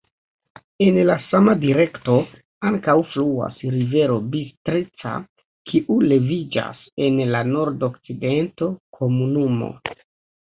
En la sama direkto ankaŭ fluas rivero Bistrica, kiu leviĝas en la nordokcidento komunumo.